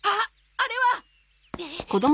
あれは！